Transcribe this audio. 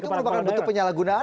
itu bukan bentuk penyalahgunaan